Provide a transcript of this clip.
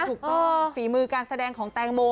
ถูกต้องฝีมือการแสดงของแตงโม